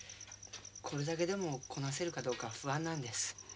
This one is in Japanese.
これだけでもこなせるかどうか不安なんです。